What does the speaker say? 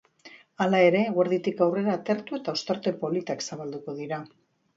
Hala ere, eguerditik aurrera atertu eta ostarte politak zabalduko dira.